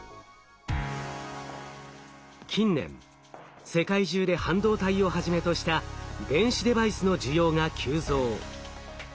近年世界中で半導体をはじめとした電子デバイスの需要が急増。